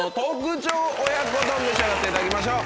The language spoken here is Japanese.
召し上がっていただきましょう。